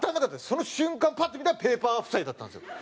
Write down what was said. その瞬間パッて見たらペー・パー夫妻だったんですよ